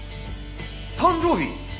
誕生日？